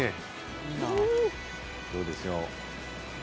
どうでしょう。